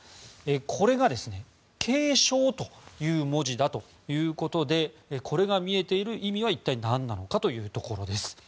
これが継承という文字だということでこれが見えている意味は一体何なのかというところです。